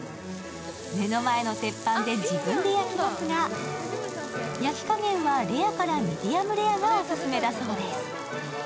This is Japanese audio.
目の前の鉄板で自分で焼きますが、焼き加減はレアからミディアムレアがオススメだそうです。